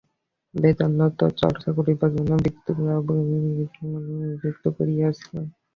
বেদান্তচর্চা করিবার জন্য বিদ্যাবাগীশকে কৃষ্ণদয়াল নিযুক্ত করিয়াছিলেন।